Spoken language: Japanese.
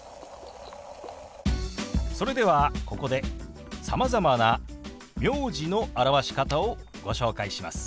それではここでさまざまな名字の表し方をご紹介します。